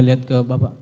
lihat ke bapak